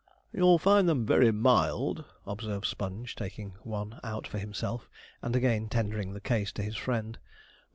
'You'll find them very mild,' observed Sponge, taking one out for himself, and again tendering the case to his friend.